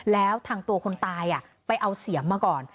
แล้วทางตัวคนตายไปเอาเสียมมาก่อน